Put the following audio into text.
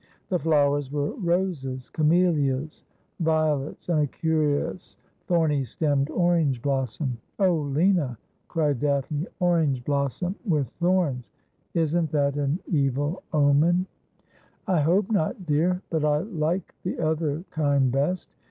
The flowers were roses, camellias, violets, and a curious thorny stemmed orange blossom. ' Oh, Lina,' cried Daphne ;' orange blossom with thorns ! Isn't that an evil omen ?'' I hope not, dear, but I like the other kind best.